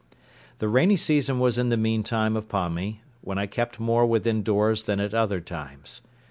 The rainy season was in the meantime upon me, when I kept more within doors than at other times.